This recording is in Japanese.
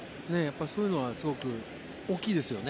そういうのはすごく大きいですよね。